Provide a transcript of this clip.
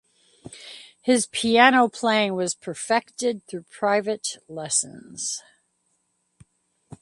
His piano playing was perfected through private lessons.